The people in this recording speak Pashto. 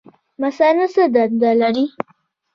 مثانه څه دنده لري؟